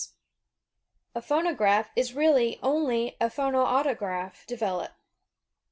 T IKSTEOMEKT A phonograph is really only a phonautograph developed.